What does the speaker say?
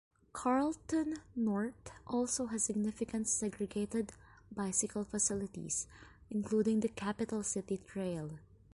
Carlton North also has significant segregated bicycle facilities, including the Capital City Trail.